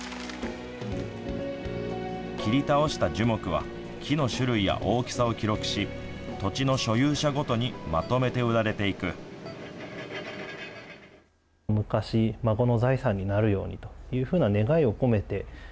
切り倒した樹木は木の種類や大きさを記録し土地の所有者ごとにまとめて売られていく萩原さん